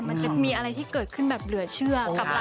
มันจะมีอะไรที่ก็เกิดขึ้นเหลือเชื่อ